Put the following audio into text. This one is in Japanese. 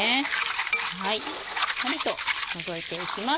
しっかりと除いていきます。